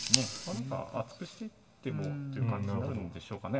何か厚くしていってもっていう感じになるんでしょうかね。